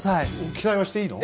期待はしていいの？